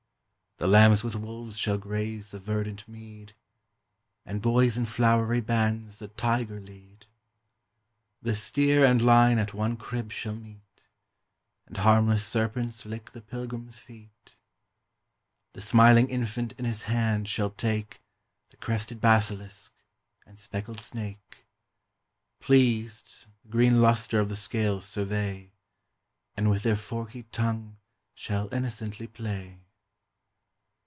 The lambs with wolves shall graze the verdant mead And boys in flowery bands the tiger lead: The steer and lion at one crib shall meet, And harmless serpents lick the pilgrim's feet. The smiling infant in his hand shall take The crested basilisk and speckled snake, Pleased, the green lustre of the scales survey, And with their forky tongue shall innocently play.